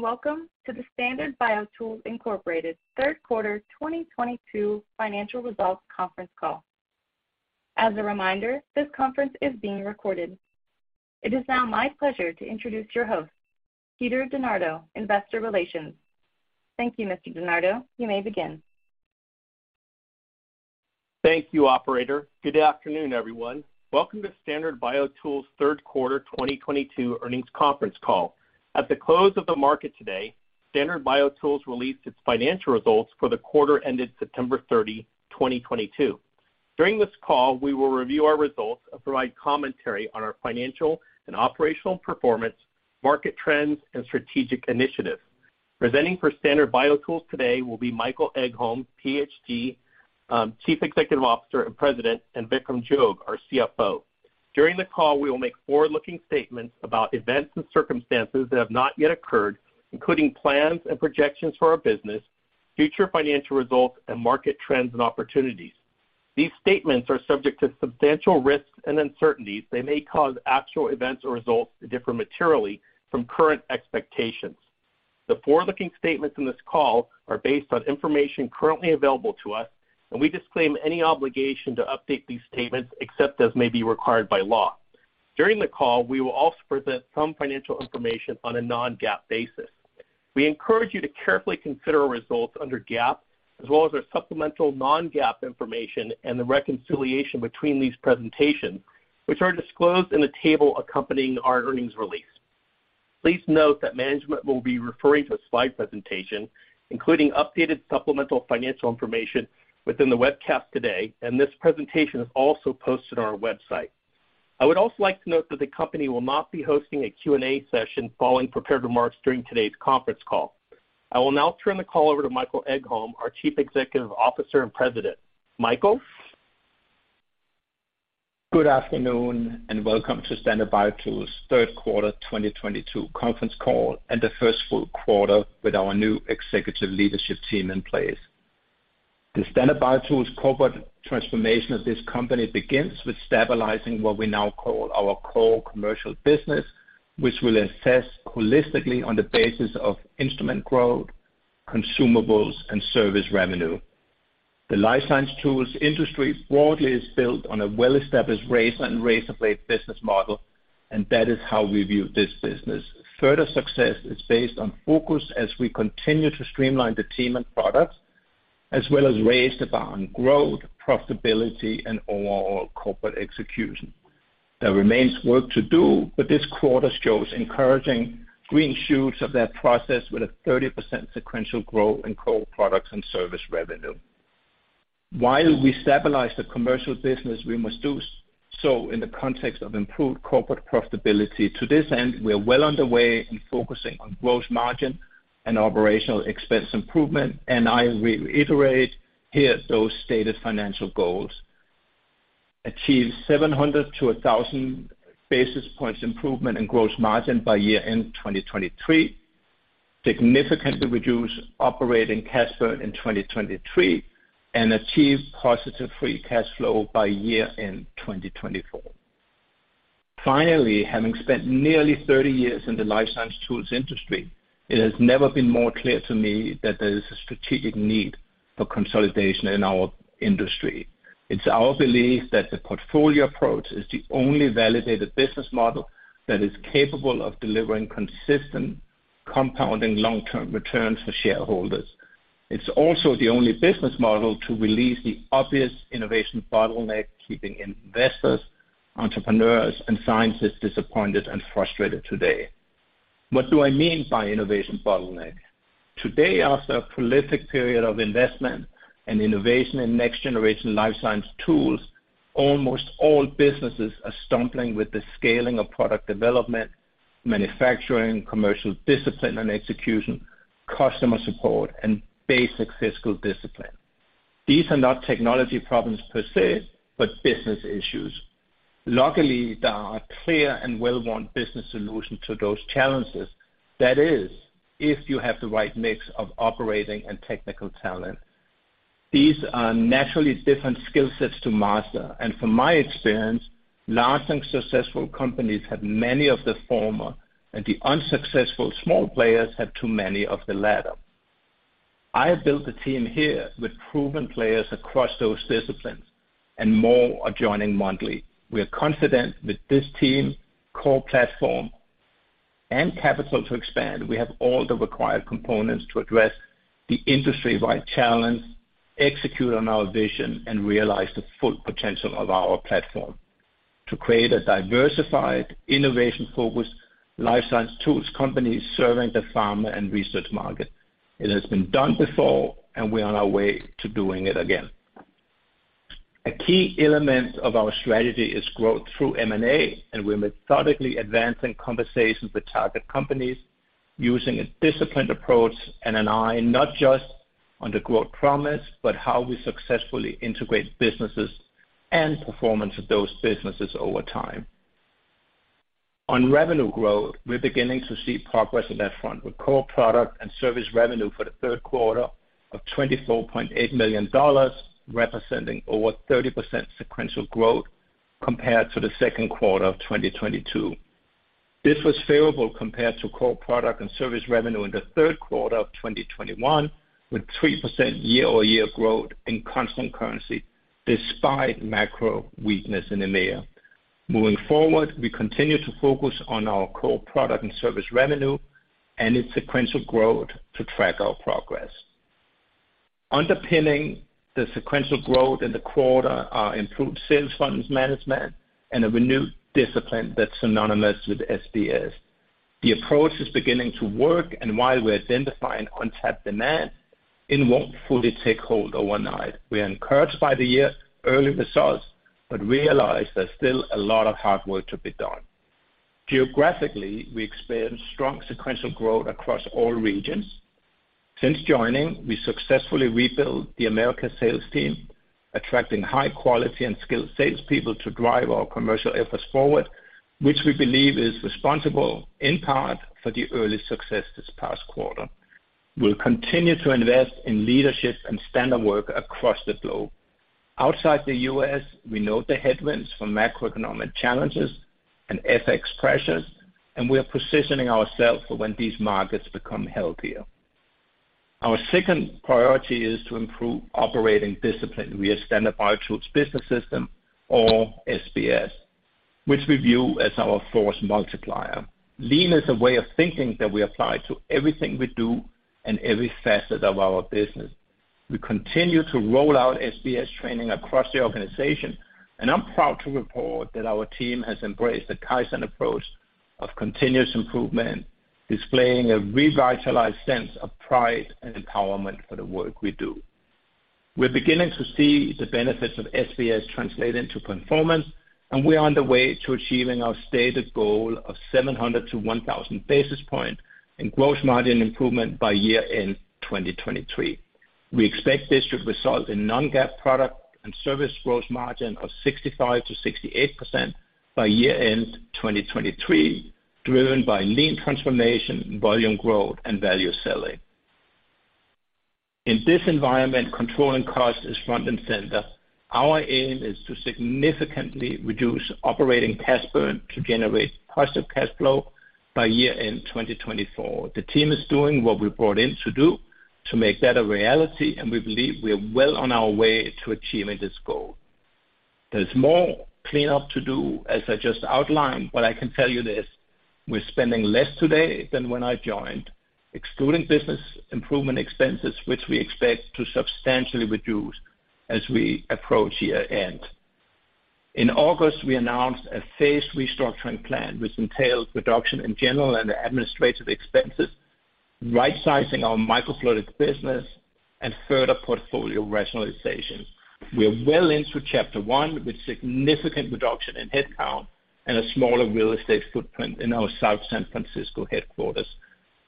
Welcome to the Standard BioTools Inc. Third Quarter 2022 Financial Results Conference Call. As a reminder, this conference is being recorded. It is now my pleasure to introduce your host, Peter DeNardo, Investor Relations. Thank you, Mr. DeNardo. You may begin. Thank you, operator. Good afternoon, everyone. Welcome to Standard BioTools' third quarter 2022 earnings conference call. At the close of the market today, Standard BioTools released its financial results for the quarter ended September 30, 2022. During this call, we will review our results and provide commentary on our financial and operational performance, market trends, and strategic initiatives. Presenting for Standard BioTools today will be Michael Egholm, PhD, Chief Executive Officer and President, and Vikram Jog, our CFO. During the call, we will make forward-looking statements about events and circumstances that have not yet occurred, including plans and projections for our business, future financial results, and market trends and opportunities. These statements are subject to substantial risks and uncertainties that may cause actual events or results to differ materially from current expectations. The forward-looking statements in this call are based on information currently available to us, and we disclaim any obligation to update these statements except as may be required by law. During the call, we will also present some financial information on a non-GAAP basis. We encourage you to carefully consider our results under GAAP, as well as our supplemental non-GAAP information and the reconciliation between these presentations, which are disclosed in the table accompanying our earnings release. Please note that management will be referring to a slide presentation, including updated supplemental financial information within the webcast today, and this presentation is also posted on our website. I would also like to note that the company will not be hosting a Q&A session following prepared remarks during today's conference call. I will now turn the call over to Michael Egholm, our Chief Executive Officer and President. Michael? Good afternoon, and welcome to Standard BioTools' third quarter 2022 conference call and the first full quarter with our new executive leadership team in place. The Standard BioTools corporate transformation of this company begins with stabilizing what we now call our core commercial business, which we'll assess holistically on the basis of instrument growth, consumables, and service revenue. The life science tools industry broadly is built on a well-established razor and razor blade business model, and that is how we view this business. Further success is based on focus as we continue to streamline the team and products, as well as raise the bar on growth, profitability and overall corporate execution. There remains work to do, but this quarter shows encouraging green shoots of that process with a 30% sequential growth in core products and service revenue. While we stabilize the commercial business, we must do so in the context of improved corporate profitability. To this end, we are well underway in focusing on gross margin and operational expense improvement, and I reiterate here those stated financial goals. Achieve 700-1,000 basis points improvement in gross margin by year-end 2023, significantly reduce operating cash burn in 2023, and achieve positive free cash flow by year-end 2024. Finally, having spent nearly 30 years in the life science tools industry, it has never been more clear to me that there is a strategic need for consolidation in our industry. It's our belief that the portfolio approach is the only validated business model that is capable of delivering consistent compounding long-term returns for shareholders. It's also the only business model to release the obvious innovation bottleneck, keeping investors, entrepreneurs, and scientists disappointed and frustrated today. What do I mean by innovation bottleneck? Today, after a prolific period of investment and innovation in next-generation life science tools, almost all businesses are stumbling with the scaling of product development, manufacturing, commercial discipline and execution, customer support, and basic fiscal discipline. These are not technology problems per se, but business issues. Luckily, there are clear and well-worn business solutions to those challenges, that is, if you have the right mix of operating and technical talent. These are naturally different skill sets to master, and from my experience, large and successful companies have many of the former, and the unsuccessful small players have too many of the latter. I have built a team here with proven players across those disciplines, and more are joining monthly. We are confident with this team, core platform, and capital to expand, we have all the required components to address the industry-wide challenge, execute on our vision, and realize the full potential of our platform to create a diversified, innovation-focused life science tools company serving the pharma and research market. It has been done before, and we're on our way to doing it again. A key element of our strategy is growth through M&A, and we're methodically advancing conversations with target companies using a disciplined approach and an eye not just on the growth promise, but how we successfully integrate businesses and performance of those businesses over time. On revenue growth, we're beginning to see progress on that front, with core product and service revenue for the third quarter of 2024 of $24.8 million, representing over 30% sequential growth compared to the second quarter of 2022. This was favorable compared to core product and service revenue in the third quarter of 2021, with 3% year-over-year growth in constant currency despite macro weakness in EMEA. Moving forward, we continue to focus on our core product and service revenue and its sequential growth to track our progress. Underpinning the sequential growth in the quarter are improved sales funnel management and a renewed discipline that's synonymous with SBS. The approach is beginning to work, and while we're identifying untapped demand, it won't fully take hold overnight. We are encouraged by the year early results, but realize there's still a lot of hard work to be done. Geographically, we experienced strong sequential growth across all regions. Since joining, we successfully rebuilt the Americas sales team, attracting high quality and skilled salespeople to drive our commercial efforts forward, which we believe is responsible in part for the early success this past quarter. We'll continue to invest in leadership and standard work across the globe. Outside the U.S., we note the headwinds from macroeconomic challenges and FX pressures, and we are positioning ourselves for when these markets become healthier. Our second priority is to improve operating discipline via Standard BioTools Business System or SBS, which we view as our force multiplier. Lean is a way of thinking that we apply to everything we do and every facet of our business. We continue to roll out SBS training across the organization, and I'm proud to report that our team has embraced the Kaizen approach of continuous improvement, displaying a revitalized sense of pride and empowerment for the work we do. We're beginning to see the benefits of SBS translate into performance, and we are on the way to achieving our stated goal of 700-1,000 basis points in gross margin improvement by year-end 2023. We expect this should result in non-GAAP product and service gross margin of 65%-68% by year-end 2023, driven by lean transformation, volume growth, and value selling. In this environment, controlling cost is front and center. Our aim is to significantly reduce operating cash burn to generate positive cash flow by year-end 2024. The team is doing what we brought in to do to make that a reality, and we believe we are well on our way to achieving this goal. There's more cleanup to do, as I just outlined, but I can tell you this, we're spending less today than when I joined, excluding business improvement expenses, which we expect to substantially reduce as we approach year end. In August, we announced a phased restructuring plan, which entails reduction in general and administrative expenses, rightsizing our microfluidics business, and further portfolio rationalization. We are well into chapter one with significant reduction in headcount and a smaller real estate footprint in our South San Francisco headquarters.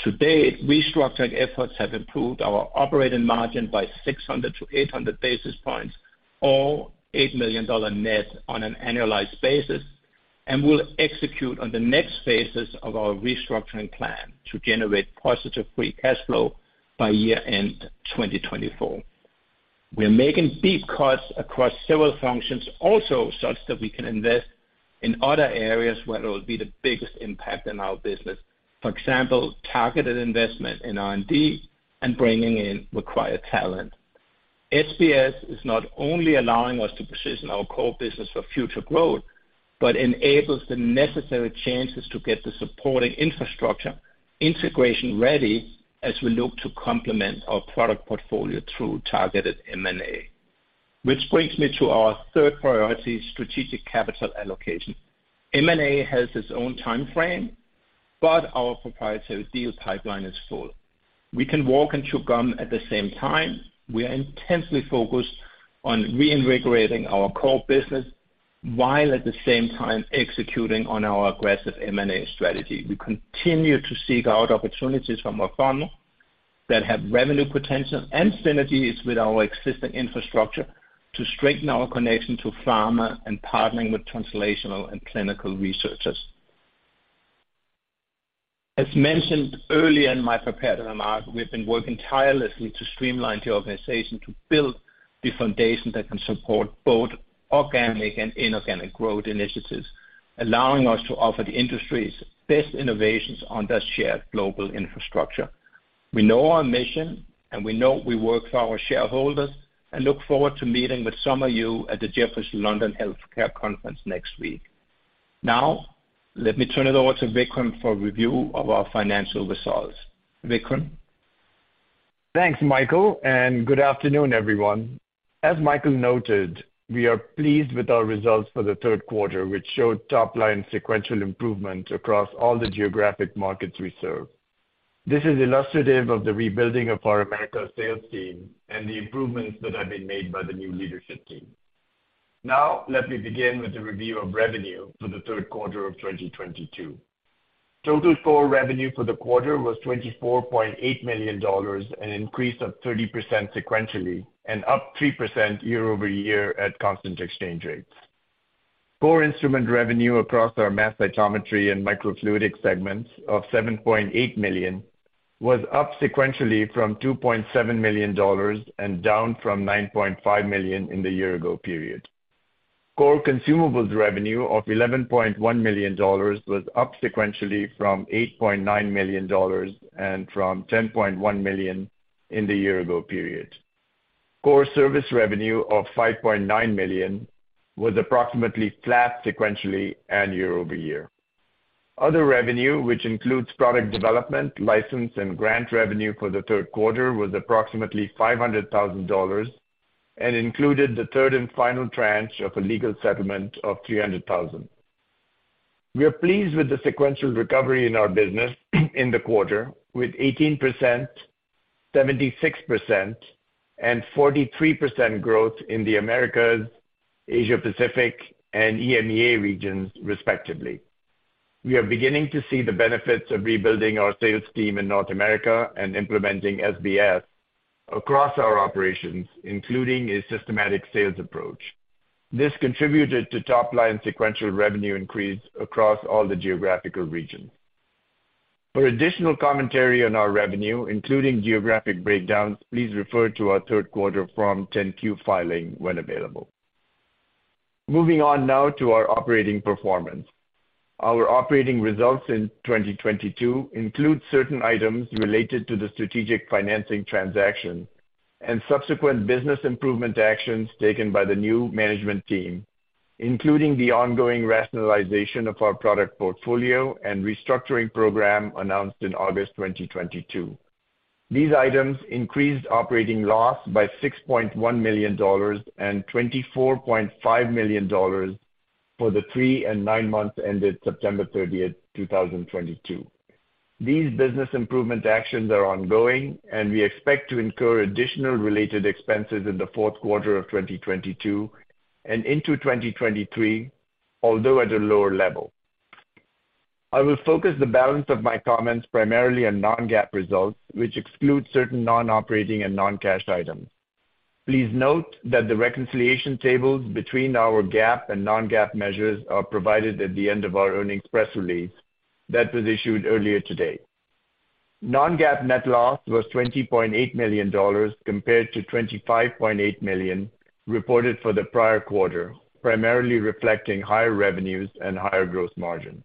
To date, restructuring efforts have improved our operating margin by 600-800 basis points or $8 million net on an annualized basis, and we'll execute on the next phases of our restructuring plan to generate positive free cash flow by year-end 2024. We're making deep cuts across several functions also such that we can invest in other areas where it will be the biggest impact on our business. For example, targeted investment in R&D and bringing in required talent. SBS is not only allowing us to position our core business for future growth, but enables the necessary changes to get the supporting infrastructure integration ready as we look to complement our product portfolio through targeted M&A. Which brings me to our third priority, strategic capital allocation. M&A has its own time frame, but our proprietary deal pipeline is full. We can walk and chew gum at the same time. We are intensely focused on reinvigorating our core business while at the same time executing on our aggressive M&A strategy. We continue to seek out opportunities from our funnel that have revenue potential and synergies with our existing infrastructure to strengthen our connection to pharma and partnering with translational and clinical researchers. As mentioned earlier in my prepared remarks, we've been working tirelessly to streamline the organization to build the foundation that can support both organic and inorganic growth initiatives, allowing us to offer the industry's best innovations on that shared global infrastructure. We know our mission, and we know we work for our shareholders, and look forward to meeting with some of you at the Jefferies London Healthcare Conference next week. Now, let me turn it over to Vikram for a review of our financial results. Vikram? Thanks, Michael, and good afternoon, everyone. As Michael noted, we are pleased with our results for the third quarter, which showed top-line sequential improvement across all the geographic markets we serve. This is illustrative of the rebuilding of our America sales team and the improvements that have been made by the new leadership team. Now, let me begin with the review of revenue for the third quarter of 2022. Total core revenue for the quarter was $24.8 million, an increase of 30% sequentially, and up 3% year-over-year at constant exchange rates. Core instrument revenue across our mass cytometry and microfluidics segments of $7.8 million was up sequentially from $2.7 million and down from $9.5 million in the year ago period. Core consumables revenue of $11.1 million was up sequentially from $8.9 million and from $10.1 million in the year ago period. Core service revenue of $5.9 million was approximately flat sequentially and year over year. Other revenue, which includes product development, license, and grant revenue for the third quarter was approximately $500 thousand and included the third and final tranche of a legal settlement of $300 thousand. We are pleased with the sequential recovery in our business in the quarter with 18%, 76%, and 43% growth in the Americas, Asia-Pacific, and EMEA regions, respectively. We are beginning to see the benefits of rebuilding our sales team in North America and implementing SBS across our operations, including a systematic sales approach. This contributed to top line sequential revenue increase across all the geographical regions. For additional commentary on our revenue, including geographic breakdowns, please refer to our third quarter Form 10-Q filing when available. Moving on now to our operating performance. Our operating results in 2022 include certain items related to the strategic financing transaction and subsequent business improvement actions taken by the new management team, including the ongoing rationalization of our product portfolio and restructuring program announced in August 2022. These items increased operating loss by $6.1 million and $24.5 million for the 3 and 9 months ended September 30, 2022. These business improvement actions are ongoing, and we expect to incur additional related expenses in the fourth quarter of 2022 and into 2023, although at a lower level. I will focus the balance of my comments primarily on non-GAAP results, which excludes certain non-operating and non-cash items. Please note that the reconciliation tables between our GAAP and non-GAAP measures are provided at the end of our earnings press release that was issued earlier today. Non-GAAP net loss was $20.8 million compared to $25.8 million reported for the prior quarter, primarily reflecting higher revenues and higher gross margin.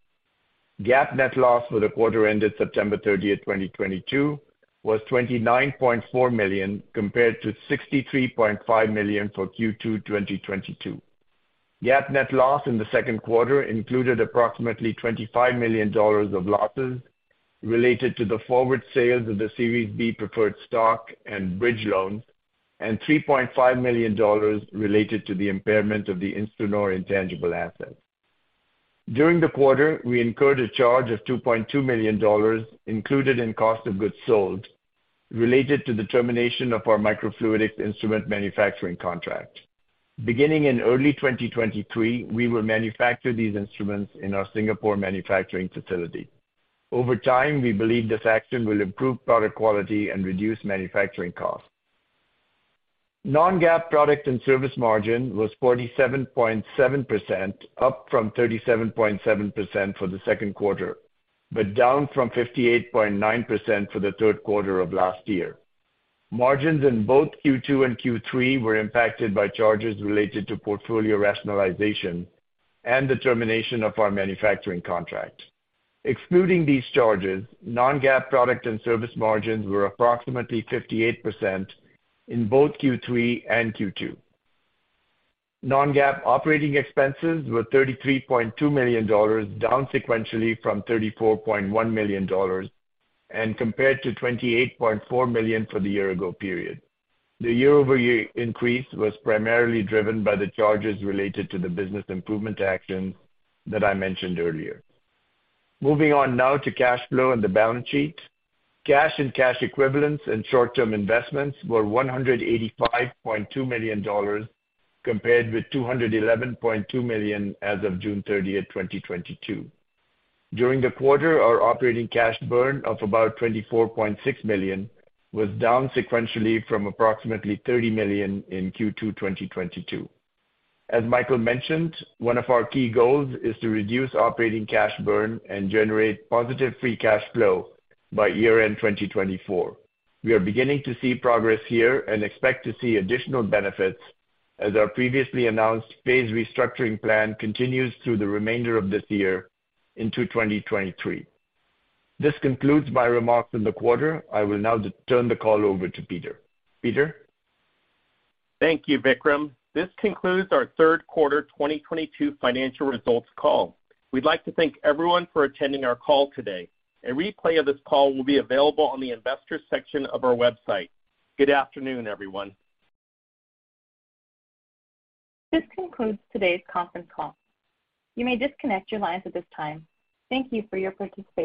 GAAP net loss for the quarter ended September 30, 2022 was $29.4 million compared to $63.5 million for Q2 2022. GAAP net loss in the second quarter included approximately $25 million of losses related to the forward sales of the Series B preferred stock and bridge loans, and $3.5 million related to the impairment of the InstruNor intangible asset. During the quarter, we incurred a charge of $2.2 million included in cost of goods sold related to the termination of our microfluidic instrument manufacturing contract. Beginning in early 2023, we will manufacture these instruments in our Singapore manufacturing facility. Over time, we believe this action will improve product quality and reduce manufacturing costs. Non-GAAP product and service margin was 47.7%, up from 37.7% for the second quarter, but down from 58.9% for the third quarter of last year. Margins in both Q2 and Q3 were impacted by charges related to portfolio rationalization and the termination of our manufacturing contract. Excluding these charges, non-GAAP product and service margins were approximately 58% in both Q3 and Q2. Non-GAAP operating expenses were $33.2 million, down sequentially from $34.1 million, and compared to $28.4 million for the year-ago period. The year-over-year increase was primarily driven by the charges related to the business improvement actions that I mentioned earlier. Moving on now to cash flow and the balance sheet. Cash and cash equivalents and short-term investments were $185.2 million, compared with $211.2 million as of June 30, 2022. During the quarter, our operating cash burn of about $24.6 million was down sequentially from approximately $30 million in Q2 2022. As Michael mentioned, one of our key goals is to reduce operating cash burn and generate positive free cash flow by year-end 2024. We are beginning to see progress here and expect to see additional benefits as our previously announced phased restructuring plan continues through the remainder of this year into 2023. This concludes my remarks on the quarter. I will now turn the call over to Peter. Peter? Thank you, Vikram. This concludes our third quarter 2022 financial results call. We'd like to thank everyone for attending our call today. A replay of this call will be available on the Investors section of our website. Good afternoon, everyone. This concludes today's conference call. You may disconnect your lines at this time. Thank you for your participation.